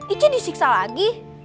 ica disiksa lagi